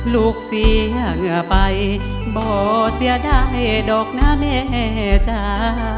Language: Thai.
ลูกเสียเหงื่อไปบ่อเสียดายดอกนะแม่จ้า